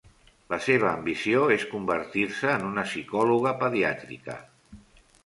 La seva ambició és convertir-se en una psicòloga pediàtrica.